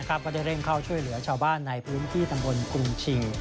ก็ได้เร่งเข้าช่วยเหลือชาวบ้านในพื้นที่ตำบลกรุงชิง